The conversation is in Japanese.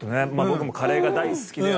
僕もカレーが大好きで。